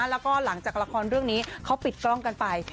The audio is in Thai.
แล้วก็หลังจากละครเรื่องนี้เขาปิดกล้องกันไป